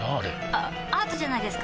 あアートじゃないですか？